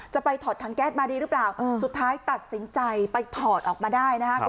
จะไปถอดถังแก๊สมาดีหรือเปล่าสุดท้ายตัดสินใจไปถอดออกมาได้นะครับ